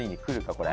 これ。